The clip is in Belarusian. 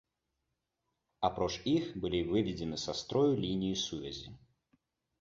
Апроч іх, былі выведзены са строю лініі сувязі.